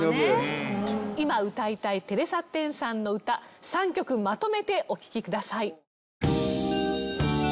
今歌いたいテレサ・テンさんの歌３曲まとめてお聴きください。